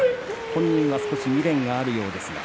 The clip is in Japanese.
本人は少し未練があるようですが。